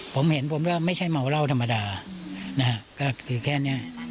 ผมเห็นผมแล้วไม่ใช่เมาเหล้าธรรมดานะฮะก็คือแค่นี้